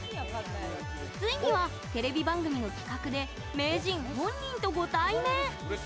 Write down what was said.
ついにはテレビ番組の企画で名人本人とご対面。